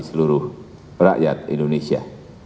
seluruh rakyat indonesia